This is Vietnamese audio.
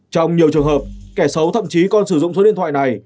trong nhiều trường hợp kẻ xấu thậm chí còn sử dụng số điện thoại này